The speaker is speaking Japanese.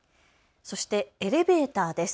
そしてエレベーターです。